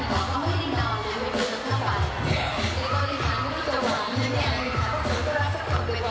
ถ้าใครชูมือขอให้ได้แอทุกคนเกียรตินิยมเกียรตินิยม